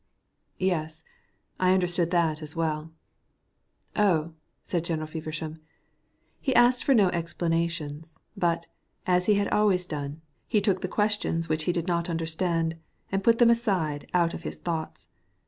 "Yes, I understood that as well." "Oh!" said General Feversham. He asked for no explanations, but, as he had always done, he took the questions which he did not understand and put them aside out of his thoughts.